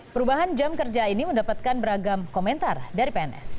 perubahan jam kerja ini mendapatkan beragam komentar dari pns